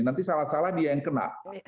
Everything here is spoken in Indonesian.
nanti salah salah dia yang kena